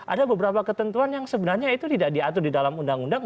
ada beberapa ketentuan yang sebenarnya itu tidak diatur di dalam undang undang